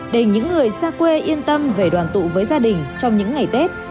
để những người xa quê yên tâm về đoàn tụ với gia đình trong những ngày tết